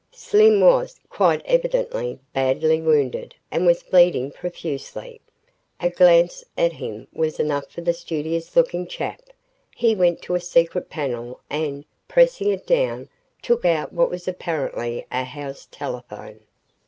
Slim was, quite evidently, badly wounded and was bleeding profusely. A glance at him was enough for the studious looking chap. He went to a secret panel and, pressing it down, took out what was apparently a house telephone.